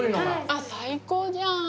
あっ最高じゃん。